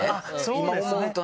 今思うとね。